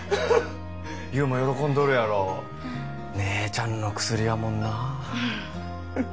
優も喜んどるやろ姉ちゃんの薬やもんな